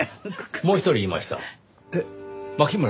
もう一人いました。